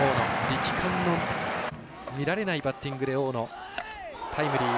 力感の見られないバッティングで大野がタイムリー。